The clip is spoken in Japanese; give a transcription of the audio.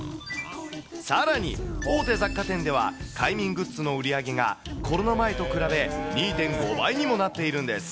さらに、大手雑貨店では快眠グッズの売り上げがコロナ前と比べ、２．５倍にもなっているんです。